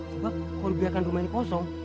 sebab kalau biarkan rumah ini kosong